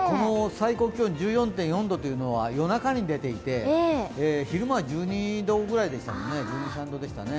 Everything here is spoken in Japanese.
最高気温１４．４度というのは夜中に出ていて昼間は１２度ぐらいでしたよね、１２１３度でしたね。